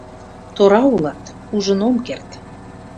Тора улат, ужын ом керт, -